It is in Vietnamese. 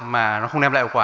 mà nó không đem lại hiệu quả